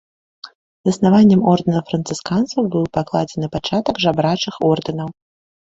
Заснаваннем ордэна францысканцаў быў пакладзены пачатак жабрачых ордэнаў.